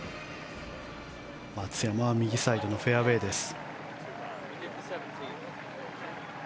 松山は右サイドのフェアウェーです。